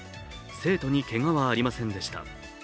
生徒にけがはありませんでした。